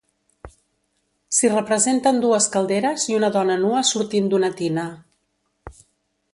S'hi representen dues calderes i una dona nua sortint d'una tina.